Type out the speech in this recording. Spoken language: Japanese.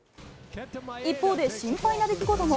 一方で、心配な出来事も。